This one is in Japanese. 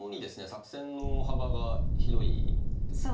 作戦の幅が広いんですね。